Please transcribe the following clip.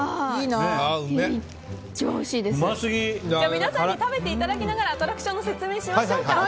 皆さんに食べていただきながらアトラクションの説明をしましょうか。